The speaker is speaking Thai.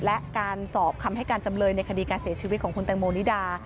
และการสอบคำให้การจำเลยในคดีการเสียชีวิตของคุณแตงโมนิดา